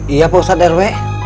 iya pak ustadz rw